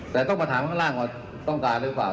แต่ต้องมาถามข้างล่างว่าต้องการหรือเปล่า